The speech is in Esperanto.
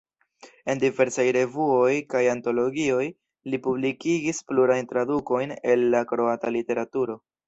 En diversaj revuoj kaj antologioj li publikigis plurajn tradukojn el la kroata literaturo.